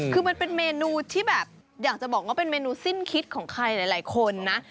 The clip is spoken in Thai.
คือมันเป็นเมนูที่แบบอยากจะบอกว่าเป็นเมนูสิ้นคิดของใครหลายคนนะ